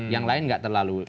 yang lain nggak terlalu